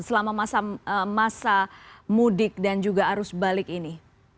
selama masa mudik dan juga arus balik ini